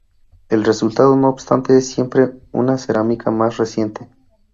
El resultado, no obstante es siempre una cerámica más resistente.